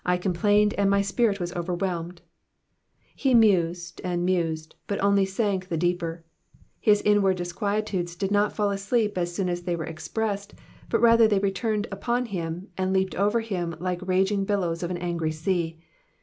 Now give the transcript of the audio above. / complained^ and my spirit teas ocenohelmed.'*'* He mused and mused but only sank the deeper. . His inward disquietudes did not fall asleep as soon as they were expressed, but rather they returned upon him, and leaped over him like raging billows of an angry sea.